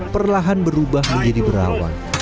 perlahan berubah menjadi berawan